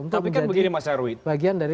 tapi kan begini mas herwi